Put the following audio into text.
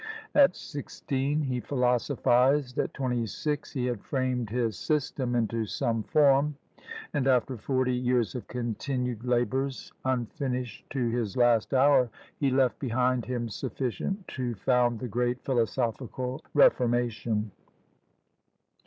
At sixteen, he philosophised; at twenty six, he had framed his system into some form; and after forty years of continued labours, unfinished to his last hour, he left behind him sufficient to found the great philosophical reformation.